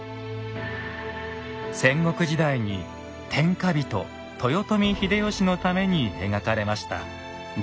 戦国時代に天下人・豊臣秀吉のために描かれました。